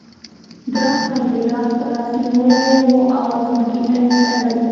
ده خپل ګیلاس په لاس کې نیولی و او ځمکې ته یې کتل.